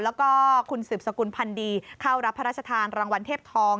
แล้วก็คุณสืบสกุลพันธ์ดีเข้ารับพระราชทานรางวัลเทพทอง